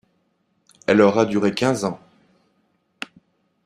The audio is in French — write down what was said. Elle aura duré quinze ans.